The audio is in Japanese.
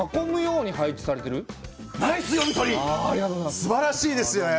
すばらしいですね。